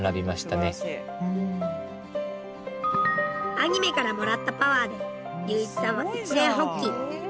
アニメからもらったパワーで隆一さんは一念発起。